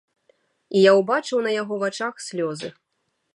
І я ўбачыў на яго вачах слёзы.